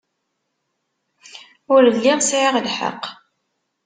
Ur lliɣ sɛiɣ lḥeqq.